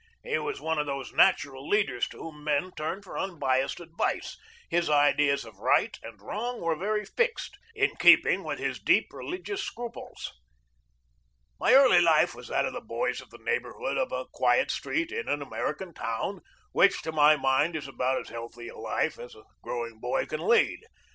He was one of those natural leaders to whom men turn for unbiassed ad vice. His ideas of right and wrong were very fixed, in keeping with his deep religious scruples. My early life was that of the boys of the neigh borhood of a quiet street in an American town, which, to my mind, is about as healthy a life as a growing boy can lead.